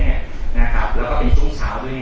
แล้วก็เป็นช่วงเช้าด้วย